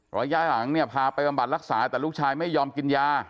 ระยะหลังเนี่ยพาไปบำบัดรักษาแต่ลูกชายไม่ยอมกินยา